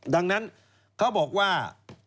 ดังนั้นเขาบอกว่า